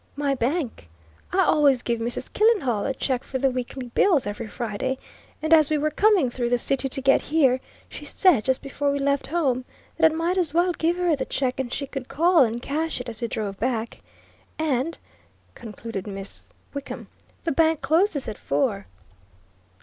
"My bank. I always give Mrs. Killenhall a check for the weekly bills every Friday, and as we were coming through the City to get here, she said, just before we left home, that I might as well give her the check and she could call and cash it as we drove back. And," concluded Miss Wickham, "the bank closes at four."